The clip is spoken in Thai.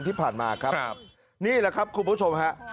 ที่ผ่านมาครับนี่แหละครับคุณผู้ชมฮะ